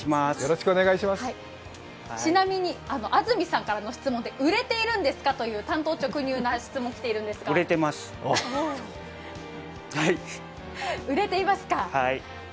ちなみに、安住さんからの質問で売れているんですかという単刀直入な質問がきていますが売れてますか？